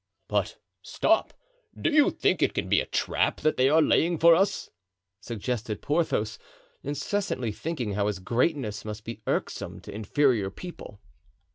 "But, stop; do you think it can be a trap that they are laying for us?" suggested Porthos, incessantly thinking how his greatness must be irksome to inferior people.